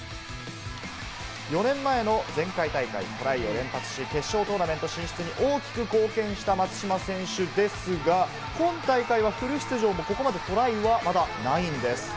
４年前の前回大会、トライを連発し、決勝トーナメント進出に大きく貢献した松島選手ですが、今大会はフル出場も、ここまでトライはまだないんです。